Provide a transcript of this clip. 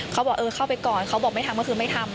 เขาบอกเออเข้าไปก่อนเขาบอกไม่ทำก็คือไม่ทำ